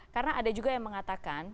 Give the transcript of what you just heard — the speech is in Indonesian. karena ada juga yang mengatakan